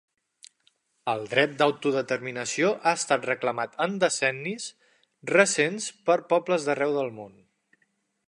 El dret d'autodeterminació ha estat reclamat en decennis recents per pobles d'arreu del món.